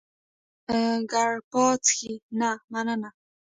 یو ګېلاس ګراپا څښې؟ نه، مننه.